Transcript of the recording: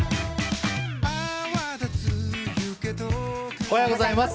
おはようございます。